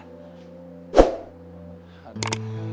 tidak ada apa